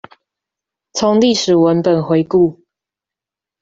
從歷史文本回顧